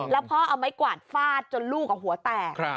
แล้วพ่อเอาไม้กวาดฟาดจนลูกหัวแตก